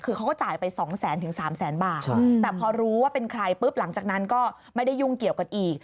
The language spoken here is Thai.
คือเขาก็จ่ายไปสองแสนถึง๓แสนบาทแต่พอรู้ว่าเป็นใครปุ๊บหลังจากนั้นก็ไม่ได้ยุ่งเกี่ยวกันอีก